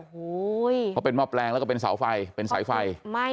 เพราะเป็นมอบแรงแล้วก็เป็นเสาไฟเป็นสายไฟ